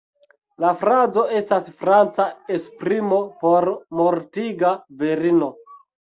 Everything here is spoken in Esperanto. La frazo estas franca esprimo por "mortiga virino".